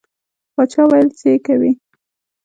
باچا ویل څه یې کوې.